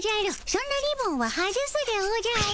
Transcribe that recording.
そんなリボンは外すでおじゃる。